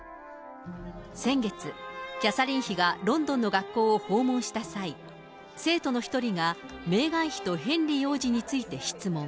先月、キャサリン妃がロンドンの学校を訪問した際、生徒の１人がメーガン妃とヘンリー王子について質問。